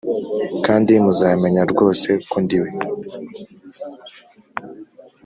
kandi muzamenya rwose ko ndi we